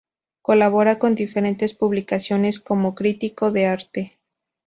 Colabora con diferentes publicaciones como crítico de arte.